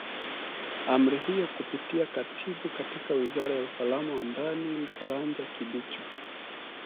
amri hiyo kupitia katibu katika wizara ya usalama wa ndani karanja kibicho